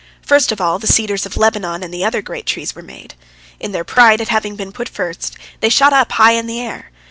First of all the cedars of Lebanon and the other great trees were made. In their pride at having been put first, they shot up high in the air.